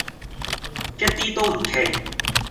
一啲都唔奇